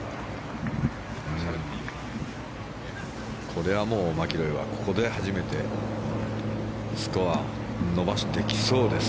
これはもうマキロイはここで初めてスコアを伸ばしてきそうです。